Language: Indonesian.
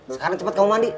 sekarang cepat kamu mandi